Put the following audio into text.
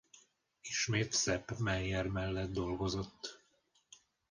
Ismét Sepp Maier mellett dolgozott.